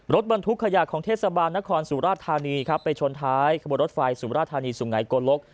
รถบรรทุกขยะของเทศบาลนครสุราธานีครับไปชนท้ายขบวนรถไฟสุมราชธานีสุไงโกลก